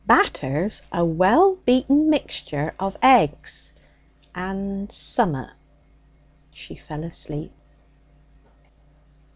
Batter's a well beaten mixture of eggs and summat.' She fell asleep.